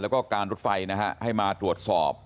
แล้วก็การรถไฟนะฮะให้มาตรวจสอบ